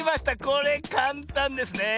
これかんたんですね。